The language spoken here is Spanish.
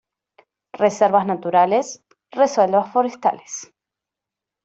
Reservas Naturales: Reservas Forestales.